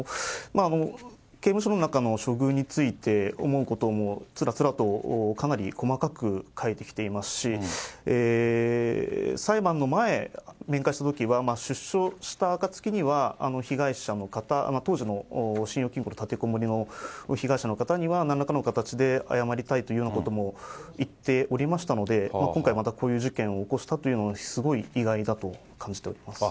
刑務所の中の処遇について思うこともつらつらと、かなり細かく書いてきてますし、裁判の前、面会したときは、出所したあかつきには、被害者の方、当時の信用金庫の立てこもりの被害者の方には、何らかの形で謝りたいというようなことも言っておりましたので、今回またこういう事件を起こしたというのは、すごい意外だと感じております。